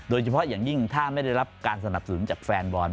โดยเฉพาะอย่างยิ่งถ้าไม่ได้รับการสนับสนุนจากแฟนบอล